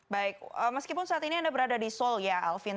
baik meskipun saat ini anda berada di seoul ya alvin